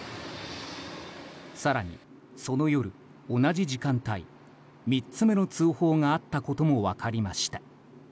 更にその夜、同じ時間帯３つ目の通報があったことも分かりました。